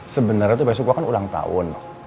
sebenarnya tuh besok kan ulang tahun